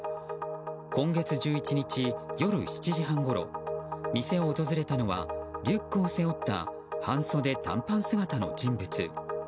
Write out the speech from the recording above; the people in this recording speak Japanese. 今月１１日夜７時半ごろ店を訪れたのはリュックを背負った半袖短パン姿の人物。